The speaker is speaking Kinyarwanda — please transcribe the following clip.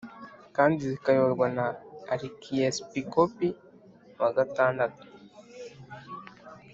kandi zikayoborwa n Arikiyepiskopi wa gatandatu